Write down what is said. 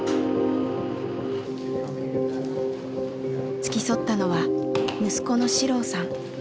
付き添ったのは息子の史郎さん。